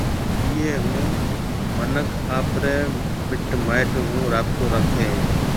ايئيَ ھون منک آپرَي مِٽ مائيٽون ھون رابطو راکيَ ھيََََ